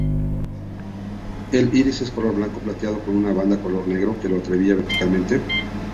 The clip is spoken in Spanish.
El iris es color blanco-plateado con una banda color negro que lo atraviesa verticalmente.